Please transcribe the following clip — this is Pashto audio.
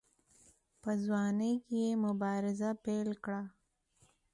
په ځوانۍ کې یې مبارزه پیل کړه.